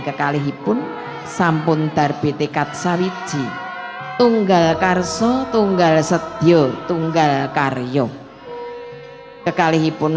kekalih pun sampun darbitikat sawitji tunggal karso tunggal setio tunggal karyo kekalih pun